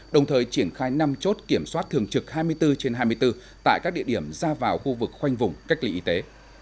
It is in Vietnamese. đồng thời triển khai năm chốt kiểm soát thường trực hai mươi bốn trên hai mươi bốn tại các địa điểm ra vào khu vực khoanh vùng cách ly y tế